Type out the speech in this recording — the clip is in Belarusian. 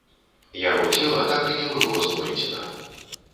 Яго цела так і не было знойдзена.